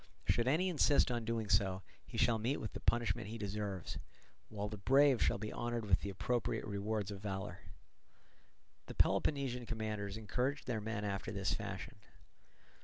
Should any insist on doing so, he shall meet with the punishment he deserves, while the brave shall be honoured with the appropriate rewards of valour." The Peloponnesian commanders encouraged their men after this fashion.